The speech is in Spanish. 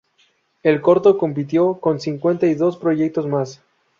El corto compitió con cincuenta y dos proyectos más.